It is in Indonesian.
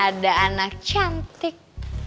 ada anak cantik